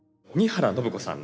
荻原信子さん